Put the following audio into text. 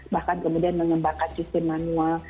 bahkan kemudian mengembangkan sistem manual